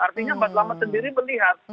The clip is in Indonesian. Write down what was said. artinya mbak selamat sendiri melihat